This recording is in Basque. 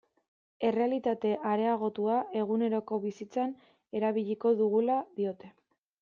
Errealitate areagotua eguneroko bizitzan erabiliko dugula diote.